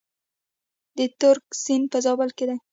د ترنک سیند په زابل کې دی